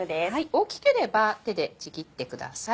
大きければ手でちぎってください。